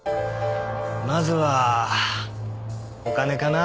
まずはお金かな？